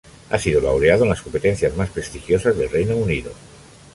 Ha sido laureado en las competencias más prestigiosas del Reino Unido.